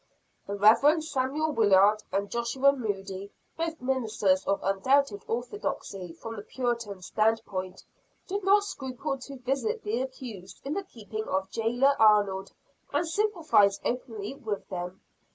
The Reverend Samuel Willard and Joshua Moody both ministers of undoubted orthodoxy from the Puritan stand point, did not scruple to visit the accused in the keeping of jailer Arnold, and sympathize openly with them.